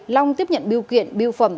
long tiếp nhận biêu kiện biêu phẩm